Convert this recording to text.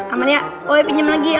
amalia oe pinjem lagi ya